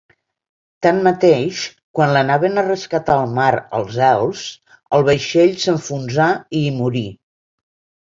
Tanmateix, quan l'anaven a rescatar al mar els elfs, el vaixell s'enfonsà i hi morí.